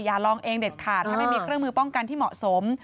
ลองเองเด็ดขาดถ้าไม่มีเครื่องมือป้องกันที่เหมาะสม